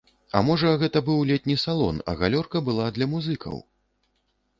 А можа, гэта быў летні салон, а галёрка была для музыкаў?